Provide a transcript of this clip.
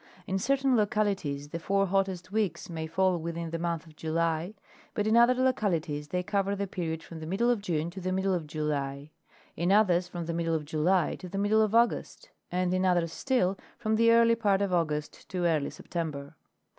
Incertain localities the four hottest weeks may fall within the month of July, but in other localities they cover the period from the middle of June to the middle of July; in others from the middle of July to the middle of August, and in others still from the early part of August to early September.